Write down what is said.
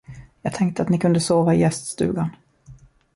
Jag tänkte att ni kunde sova i gäststugan.